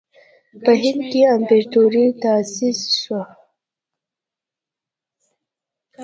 په هند کې امپراطوري تأسیس شوه.